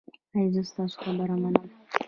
ایا زه ستاسو خبره منم؟